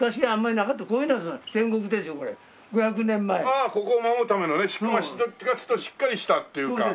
ああここを守るためのねどっちかっていうとしっかりしたっていうか。